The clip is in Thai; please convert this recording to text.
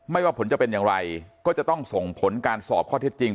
ว่าผลจะเป็นอย่างไรก็จะต้องส่งผลการสอบข้อเท็จจริง